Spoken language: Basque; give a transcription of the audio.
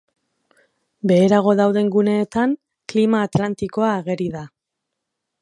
Beherago dauden guneetan klima atlantikoa ageri da.